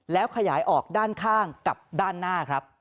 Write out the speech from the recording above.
แล้วขยายออกด้านข้างกับด้านหน้าครับ